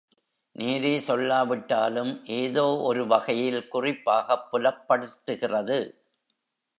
நேரே சொல்லாவிட்டாலும், ஏதோ ஒரு வகையில் குறிப்பாகப் புலப்படுத்துகிறது.